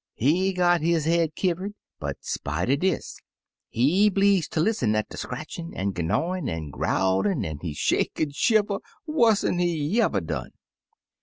He got his head kiwered, but 'spite er dis he bleeze ter lissen at de scratchin', an' gnyawin', an' growlin', an' he shake an' shiver wuss'n he y'ever done.